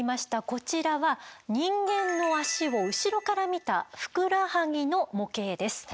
こちらは人間の脚を後ろから見た「ふくらはぎ」の模型です。